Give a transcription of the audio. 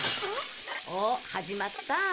お始まった。